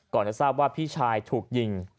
จะทราบว่าพี่ชายถูกยิง